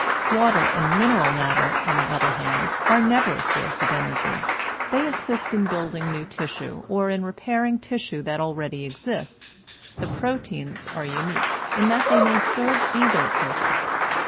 Water and mineral matter, on the other hand, are never a source of energy; they assist in building new tissue or in repairing tissue that already exists. The proteins are unique, in that they may serve either purpose.